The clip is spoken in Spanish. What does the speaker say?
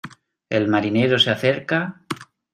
el marinero se acerca: